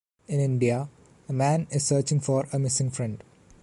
In India, a man is searching for a missing friend.